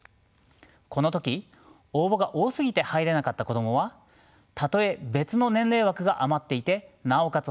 この時応募が多すぎて入れなかった子供はたとえ別の年齢枠が余っていてなおかつ